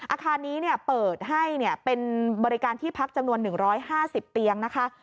อาคารนี้เปิดให้เป็นบริการที่พักจำนวน๑๕๐เตียงนะคะ